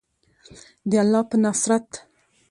د الله په نصرت.